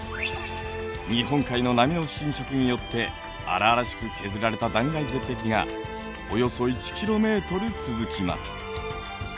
日本海の波の侵食によって荒々しく削られた断崖絶壁がおよそ１ｋｍ続きます。